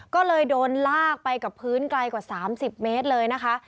ก็เลยโดนลากไปกับพื้นไกลกว่า๓๐เมตรเลยนะคะ